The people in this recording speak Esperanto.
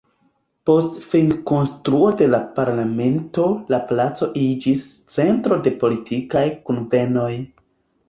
Post finkonstruo de la Parlamentejo la placo iĝis centro de politikaj kunvenoj.